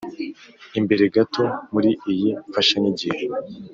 imbere gato muri iyi mfashanyigisho